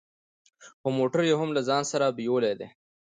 هو موټر يې هم له ځان سره بيولی دی.